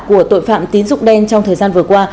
của tội phạm tín dụng đen trong thời gian vừa qua